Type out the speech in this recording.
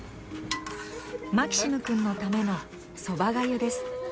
マキシムくんのためのそば粥です。